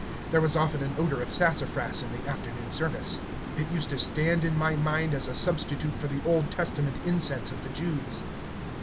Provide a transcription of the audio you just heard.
There was often an odor of sassafras in the afternoon service. It used to stand in my mind as a substitute for the Old Testament incense of the Jews.